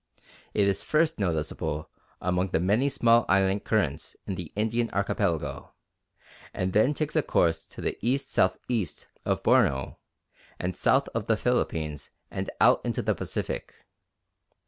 It is first noticeable among the many small island currents in the Indian Archipelago, and then takes a course to the E.S.E. of Borneo and south of the Philippines and out into the Pacific.